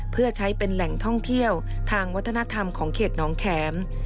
เพื่อใช้เป็นแหล่งท่องเที่ยวทางวัฒนธรรมของเขตน้องแข็ม